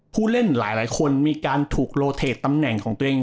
ผู้เล่นหลายคนมีการถูกโลเทดตำแหน่งของตัวเอง